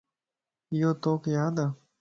يو توک يادَ ؟